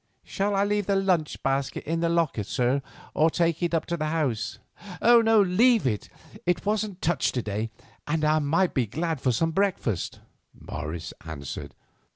Shall I leave the lunch basket in the locker, sir, or take it up to the house?" "Leave it; it wasn't touched to day, and I might be glad of some breakfast," Morris answered.